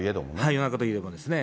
夜中といえどもですね。